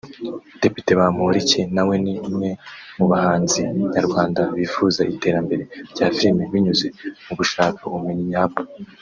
Depite Bamporiki nawe ni mwe mu bahanzi nyarwanda bifuza iterambere rya Filime binyuze mu gushaka ubumenyi nyabwo